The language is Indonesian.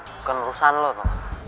bukan urusan lo tom